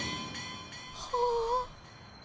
はあ。